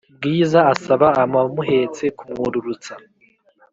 bwiza asaba abamuhetse kumwururutsa